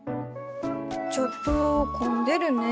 ちょっと混んでるね。